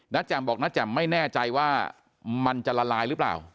แจ่มบอกน้าแจ่มไม่แน่ใจว่ามันจะละลายหรือเปล่า